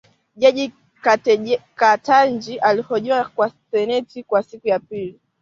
Jaji Ketanji ahojiwa na seneti kwa siku ya pili.